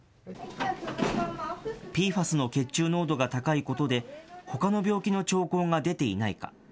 ＰＦＡＳの血中濃度が高いことで、ほかの病気の兆候が出ていないか。